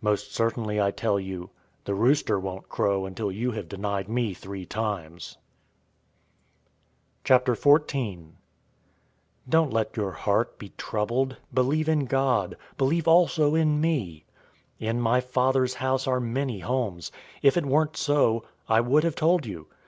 Most certainly I tell you, the rooster won't crow until you have denied me three times. 014:001 "Don't let your heart be troubled. Believe in God. Believe also in me. 014:002 In my Father's house are many homes. If it weren't so, I would have told you.